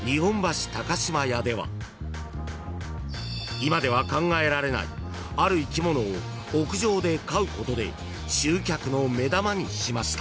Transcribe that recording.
［今では考えられないある生き物を屋上で飼うことで集客の目玉にしました］